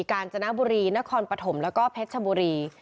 กาญจนบุรีนครปฐมแล้วก็เพชรชบุรี